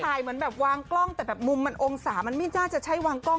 ถ่ายเหมือนวางกล้องแต่มุมมันองศามันไม่น่าจะใช้วางกล้อง